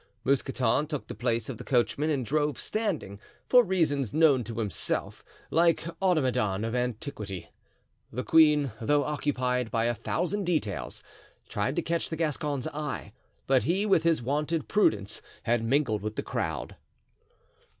Mousqueton took the place of the coachman, and drove standing, for reasons known to himself, like Automedon of antiquity. The queen, though occupied by a thousand details, tried to catch the Gascon's eye; but he, with his wonted prudence, had mingled with the crowd.